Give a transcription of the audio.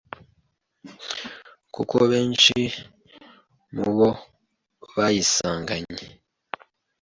kuko benshi mu bo bayisanganye